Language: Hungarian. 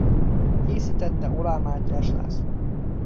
Készítette Oláh Mátyás László.